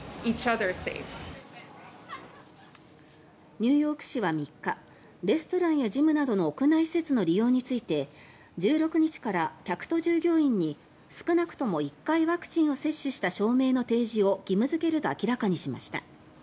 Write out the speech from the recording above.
ニューヨーク市は３日レストランやジムなどの屋内施設の利用について１６日から客と従業員に少なくとも１回ワクチンを接種した証明の提示を義務付けると明らかにしました。